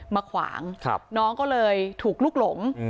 มาขวางน้องก็เลยถูกลุกหลง